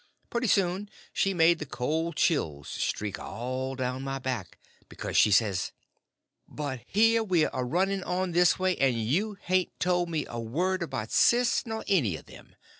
Pretty soon she made the cold chills streak all down my back, because she says: "But here we're a running on this way, and you hain't told me a word about Sis, nor any of them.